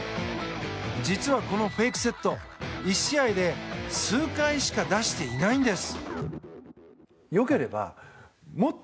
実は、このフェイクセット１試合で数回しか出していないんです。